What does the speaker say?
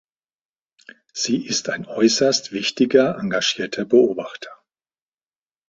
Sie ist ein äußerst wichtiger engagierter Bebachter.